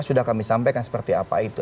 sudah kami sampaikan seperti apa itu